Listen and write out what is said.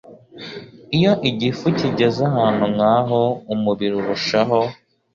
Iyo igifu kigeze ahantu nkaho umubiri urushaho